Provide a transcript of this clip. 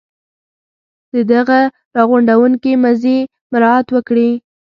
د دغه را غونډوونکي مزي مراعات وکړي.